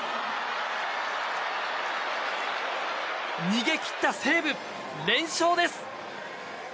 逃げ切った西武連勝です。